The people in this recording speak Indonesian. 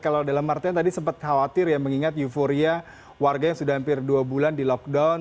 kalau dalam artian tadi sempat khawatir ya mengingat euforia warga yang sudah hampir dua bulan di lockdown